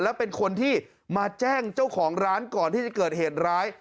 และเป็นคนที่มาแจ้งเจ้าของร้านก่อนที่จะเกิดเหตุร้าย